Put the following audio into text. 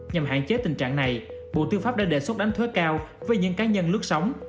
nhằm hạn chế tình trạng này bộ tư pháp đã đề xuất đánh thuế cao với những cá nhân lướt sóng